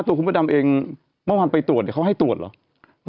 ตัวคุณพระดำเองเมื่อวานไปตรวจเนี่ยเขาให้ตรวจเหรอ